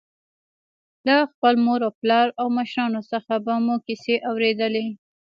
له خپل مور او پلار او مشرانو څخه به مو کیسې اورېدلې وي.